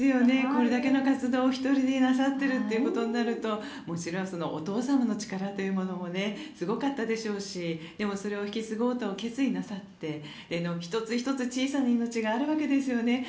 これだけの活動をお一人でなさっているとなるともちろんお父様の力というのもすごかったでしょうしでも、それを引き継ごうと決意なさって１つ１つ、小さな命があるわけですよね。